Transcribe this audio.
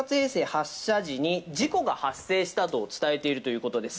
発射時に事故が発生したと伝えているということです。